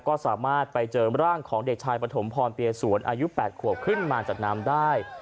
ก็สามารถไปเจอร่างของเด็กชายปฐมพรเปียสวนอายุ๘ขวบขึ้นมาจากน้ำได้